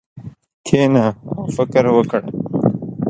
کښېنه او فکر وکړه.